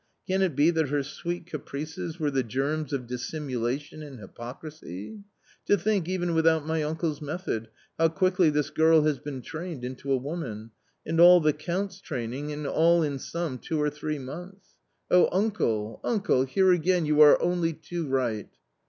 Can it be that her sweet caprices were the germs of dissimulation and hypocrisy ?.... to think, even without my uncle's method, how quickly this girl has been trained into a woman ! and all the Count's training, and all in some two or three months ! Oh, uncle, uncle ! here again you are only too right."